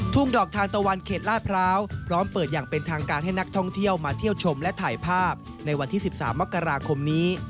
ทุ่งดอกทานตะวันเขตลาดพร้าวพร้อมเปิดอย่างเป็นทางการให้นักท่องเที่ยวมาเที่ยวชมและถ่ายภาพในวันที่๑๓มกราคมนี้